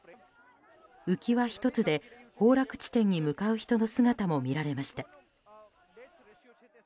浮き輪１つで崩落地点に向かう人の姿も見られました。